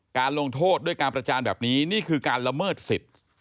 ลงโทษด้วยการประจานแบบนี้นี่คือการละเมิดสิทธิ์